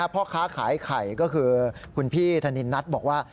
พ่อค้าขายไข่ก็คือคุณพี่ธนินนัทบอกว่า